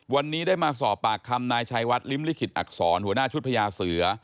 วันนี้ได้มาสอบปากคำนายชัยวัดลิ้มลิขิตอักษรหัวหน้าชุดพญาเสือ